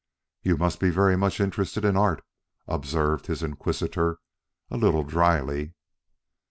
"You must be very much interested in art!" observed his inquisitor a little dryly.